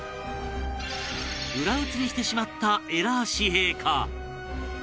裏写りしてしまったエラー紙幣か？